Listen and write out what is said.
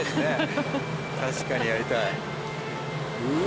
確かにやりたい。